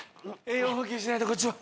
栄養補給しないとこっちも。